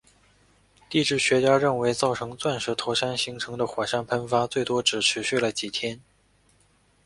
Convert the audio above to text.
地质学家认为造成钻石头山形成的火山喷发最多只持续了几天。